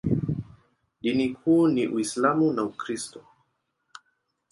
Dini kuu ni Uislamu na Ukristo.